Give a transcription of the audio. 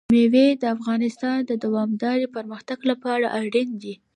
مېوې د افغانستان د دوامداره پرمختګ لپاره اړین دي.